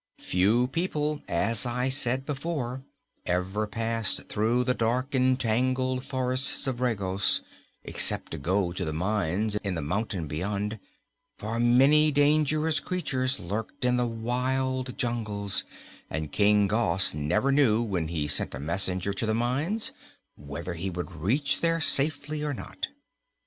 Few people, as I said before, ever passed through the dark and tangled forests of Regos, except to go to the mines in the mountain beyond, for many dangerous creatures lurked in the wild jungles, and King Gos never knew, when he sent a messenger to the mines, whether he would reach there safely or not.